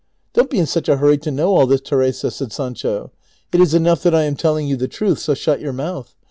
" Don't be in such a hurry to know all this, Teresa," said San cho ;" it is enough that I am telling you the truth, so shut your mouth.